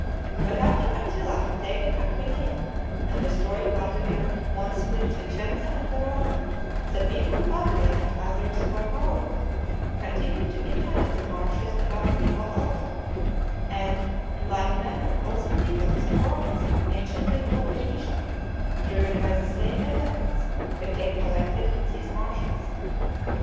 But after Attila had taken Aquileia, and destroyed Padua, Monselice, Vicenza, and Verona, the people of Padua and others who were powerful, continued to inhabit the marshes about Rivo Alto; and, in like manner, all the people of the province anciently called Venetia, driven by the same events, became collected in these marshes.